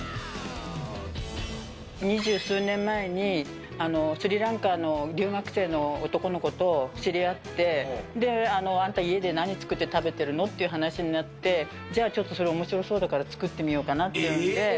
二十数年前に、スリランカの留学生の男の子と知り合って、で、あんた、家で何作って食べてるの？って話になって、じゃあ、ちょっとそれおもしろそうだから作ってみようかなっていうので。